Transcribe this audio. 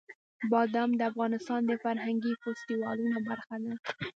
بادام د افغانستان د فرهنګي فستیوالونو برخه ده.